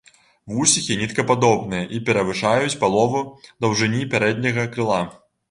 Вусікі ніткападобныя і перавышаюць палову даўжыні пярэдняга крыла.